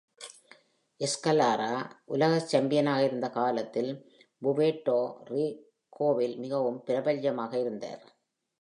எஸ்கலேரா உலக சாம்பியனாக இருந்த காலத்தில் புவேர்ட்டோ ரிக்கோவில் மிகவும் பிரபல்யமாக இருந்தார்.